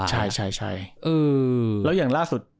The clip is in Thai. ใช่แล้วอย่างล่าสุด